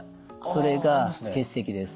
それが結石です。